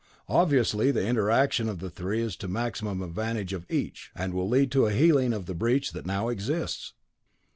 Obviously, the interaction of the three is to the maximum advantage of each and will lead to a healing of the breach that now exists."